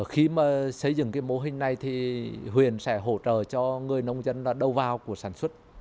khi mà xây dựng cái mô hình này thì huyền sẽ hỗ trợ cho người nông dân là đầu vào của sản xuất